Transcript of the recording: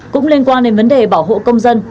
cũng liên quan đến vấn đề bảo hộ công dân